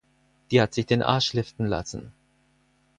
Die hat sich den Arsch liften lassen.